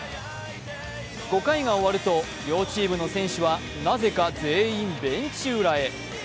５回が終わると両チームの選手は、なぜか全員ベンチ裏へ。